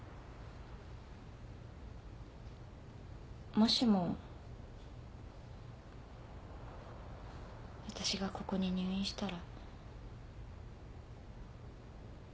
もしもわたしがここに入院したら。